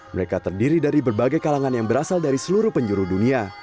mereka terdiri dari berbagai kalangan yang berasal dari seluruh penjuru dunia